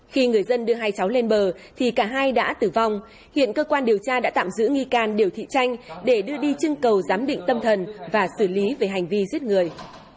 khi người dân đưa hai cháu lên bờ thì cả hai đã tử vong hiện cơ quan điều tra đã tạm giữ nghi can điều thị tranh để đưa đi chưng cầu giám định tâm thần và xử lý về hành vi giết người